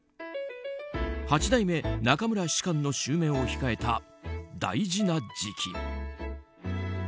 八代目中村芝翫の襲名を控えた大事な時期。